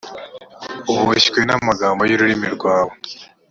uboshywe n’amagambo y’ururimi rwawe